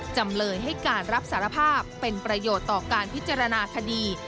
จำเลยให้การรับสารภาพเป็นประโยชน์ต่อการพิจารณาคดี